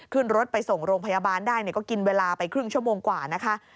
ขึ้นรถไปส่งโรงพยาบาลได้ก็กินเวลาไปครึ่งชั่วโมงกว่านะคะ